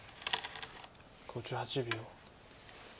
５８秒。